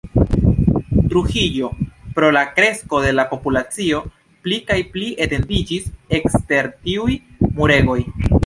Trujillo, pro la kresko de la populacio, pli kaj pli etendiĝis ekster tiuj muregoj.